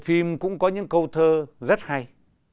bộ phim cũng có những câu thơ rất hay